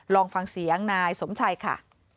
ลองฟังเสียงนายสมชัยค่ะ